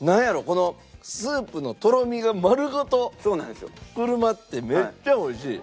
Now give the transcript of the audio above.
このスープのとろみが丸ごとくるまってめっちゃ美味しい。